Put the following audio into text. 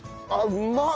うまい？